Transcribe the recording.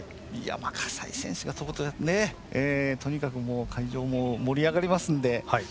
葛西選手が飛ぶと、とにかく会場も盛り上がりますんで。